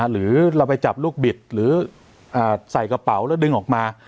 หรือเราไปจับลูกบิดหรือใส่กระเป๋าแล้วดึงออกมา